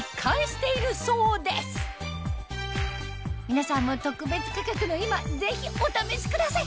皆さんも特別価格の今ぜひお試しください